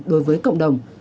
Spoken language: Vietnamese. đối với cộng đồng